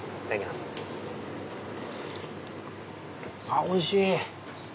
あっおいしい！